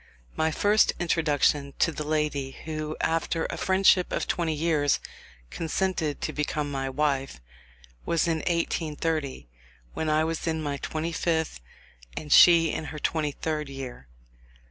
My first introduction to the lady who, after a friendship of twenty years, consented to become my wife, was in 1830, when I was in my twenty fifth and she in her twenty third year.